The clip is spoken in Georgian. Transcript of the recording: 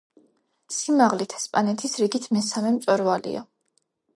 სიმაღლით ესპანეთის რიგით მესამე მწვერვალია.